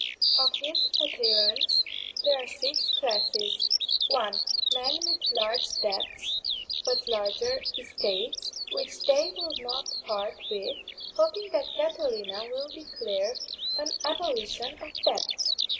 Of his adherents there are six classes. (1) _Men with large debts, but larger estates, which they will not part with, hoping that Catilina will declare an abolition of debts.